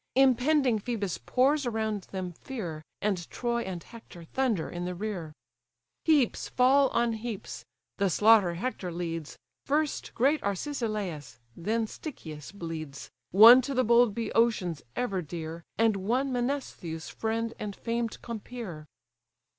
Impending Phœbus pours around them fear, And Troy and Hector thunder in the rear. Heaps fall on heaps: the slaughter Hector leads, First great Arcesilas, then Stichius bleeds; One to the bold Bœotians ever dear, And one Menestheus' friend and famed compeer.